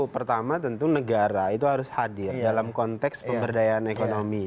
pertama tentu negara itu harus hadir dalam konteks pemberdayaan ekonomi